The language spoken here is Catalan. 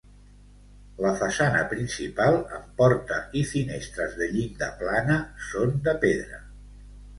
La façana principal, amb porta i finestres de llinda plana, són de pedra.